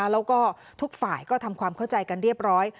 แล้วก็ทุกฝ่ายก็ทำความเข้าใจกันเรียบร้อย